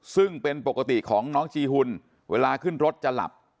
ซึ่งเป็นปกติของน้องจีหุ่นเวลาขึ้นรถจะหลับ